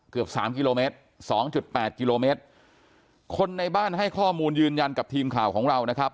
เกือบสามกิโลเมตรสองจุดแปดกิโลเมตรคนในบ้านให้ข้อมูลยืนยันกับทีมข่าวของเรานะครับ